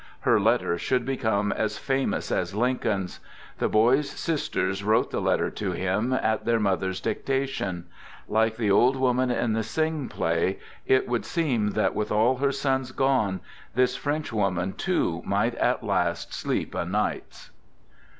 Her letter should become as famous as Lincoln's. The boy's sisters wrote the letter to him, at their mother's dictation. Like the old woman in the Synge play, it would seem that with all her sons gone this French mother too might at last sleep o' nights.